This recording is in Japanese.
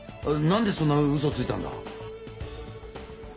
何でそんな嘘ついたんだ？